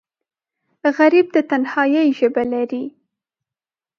غریب د تنهایۍ ژبه لري